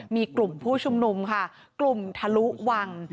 มีกลุ่มผู้ชุมนุมค่ะกลุ่มทะลุวัง